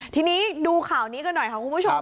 ทีนี้ดูข่าวนี้กันหน่อยค่ะคุณผู้ชม